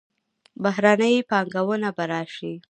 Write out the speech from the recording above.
بهرنۍ پانګونه به راشي.